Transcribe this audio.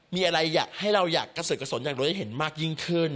มีอะไรให้เราอยากกระสุนอยากดูจะเห็นมากยิ่งขึ้น